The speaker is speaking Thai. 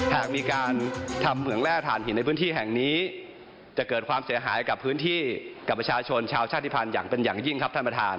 หากมีการทำเหมืองแร่ฐานหินในพื้นที่แห่งนี้จะเกิดความเสียหายกับพื้นที่กับประชาชนชาวชาติภัณฑ์อย่างเป็นอย่างยิ่งครับท่านประธาน